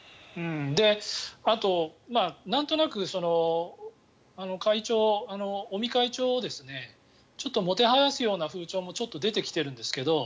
あと、なんとなく尾身会長をちょっともてはやすような風潮も出てきてるんですけど